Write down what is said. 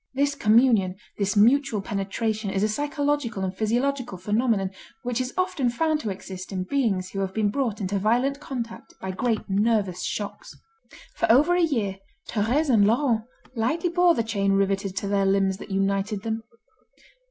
This communion, this mutual penetration is a psychological and physiological phenomenon which is often found to exist in beings who have been brought into violent contact by great nervous shocks. For over a year, Thérèse and Laurent lightly bore the chain riveted to their limbs that united them.